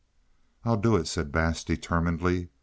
"I'll do it," said Bass determinedly.